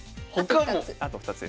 あと２つ。